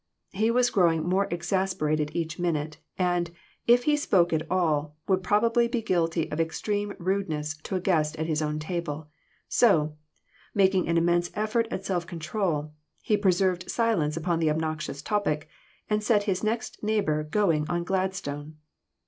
He was growing more exasperated each minute, and, if he spoke at all, would probably be guilty of extreme rude ness to a guest at his own table ; so, making an immense effort at self control, he preserved silence upon the obnoxious topic, and set his next neighbor going on Gladstone.